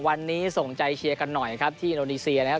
วันนี้ส่งใจเชียร์กันหน่อยครับที่อินโดนีเซียนะครับ